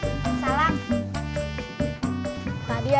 eh kenangan nanti kam iets yang layar laan